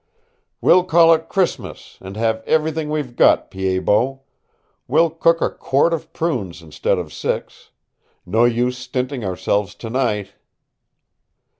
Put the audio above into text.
"We'll call it Christmas, and have everything we've got, Pied Bot. We'll cook a quart of prunes instead of six. No use stinting ourselves tonight!"